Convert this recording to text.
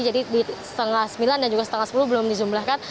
jadi di setengah sembilan dan juga setengah sepuluh belum dijumlahkan